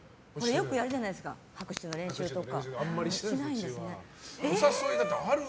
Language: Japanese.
よくやるじゃないですか拍手の練習とか。